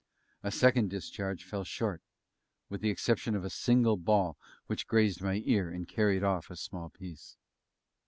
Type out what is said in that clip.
A second discharge fell short, with the exception of a single ball which grazed my ear, and carried off a small piece.